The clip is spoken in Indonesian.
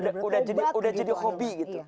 udah jadi hobi gitu